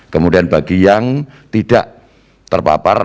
kemudian bagi yang tidak terpapar